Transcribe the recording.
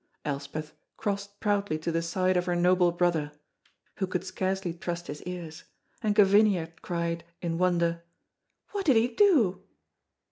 Elspeth crossed proudly to the side of her noble brother (who could scarcely trust his ears), and Gavinia cried, in wonder, "What did he do?"